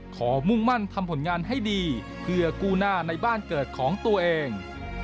มุ่งมั่นทำผลงานให้ดีเพื่อกู้หน้าในบ้านเกิดของตัวเอง